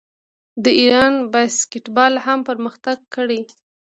د ایران باسکیټبال هم پرمختګ کړی.